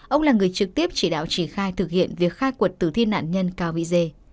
ông là người trực tiếp chỉ đạo chỉ khai thực hiện việc khai cuộc tử thi nạn nhân kvz